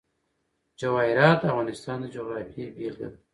جواهرات د افغانستان د جغرافیې بېلګه ده.